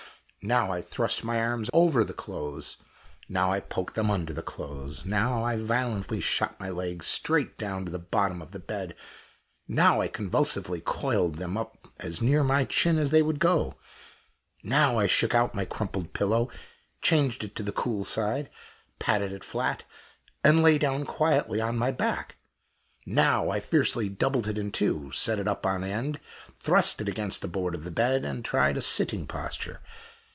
Now I thrust my arms over the clothes; now I poked them under the clothes; now I violently shot my legs straight out down to the bottom of the bed; now I convulsively coiled them up as near my chin as they would go; now I shook out my crumpled pillow, changed it to the cool side, patted it flat, and lay down quietly on my back; now I fiercely doubled it in two, set it up on end, thrust it against the board of the bed, and tried a sitting posture.